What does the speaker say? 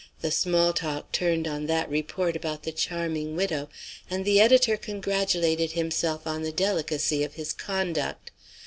The small talk turned on that report about the charming widow; and the editor congratulated himself on the delicacy of his conduct.